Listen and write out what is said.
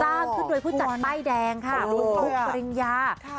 สร้างขึ้นโดยผู้จัดใบ้แดงค่ะผู้ปริญญาค่ะ